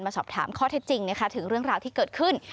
สอบถามข้อเท็จจริงนะคะถึงเรื่องราวที่เกิดขึ้น